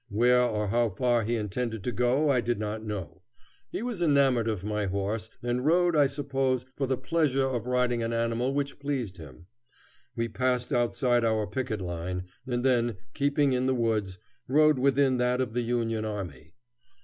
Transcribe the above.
Where or how far he intended to go I did not know. He was enamored of my horse, and rode, I suppose, for the pleasure of riding an animal which pleased him. We passed outside our picket line, and then, keeping in the woods, rode within that of the Union army.